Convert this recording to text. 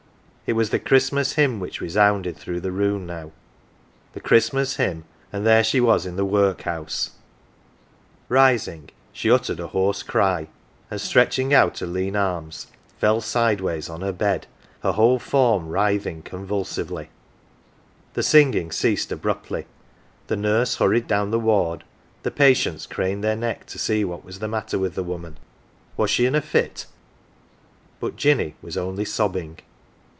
It was the Christmas Hymn which resounded through the room now the Christmas Hymn, and here she was in the^Workhouse ! Rising, she uttered a hoarse cry, and 156 AUNT JINNY stretching out her lean arms, fell sideways on her l)ed, her whole form writhing convulsively. The singing ceased abruptly, the nurse hurried down the ward, the patients craned their necks to see what was the matter with the woman was she in a fit ? But Jinny was only sobbing.